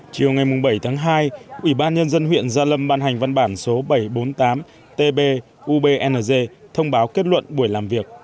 chiều ngày bảy tháng hai ủy ban nhân dân huyện gia lâm ban hành văn bản số bảy trăm bốn mươi tám tb ubng thông báo kết luận buổi làm việc